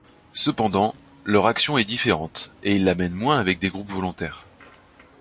Cependant, leur action est différente et ils la mènent moins avec des groupes volontaires.